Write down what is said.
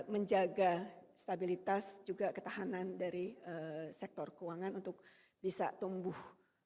menjaga stabilitas juga ketahanan dari sektor keuangan untuk bisa tumbuh